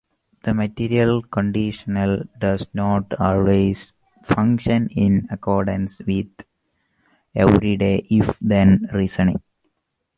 The material conditional does not always function in accordance with everyday if-then reasoning.